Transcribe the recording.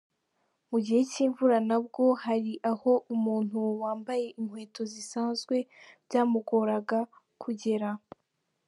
Mu gihe cy’imvura nabwo hari aho umuntu wambaye inkweto zisanzwe byamugoraga kugera.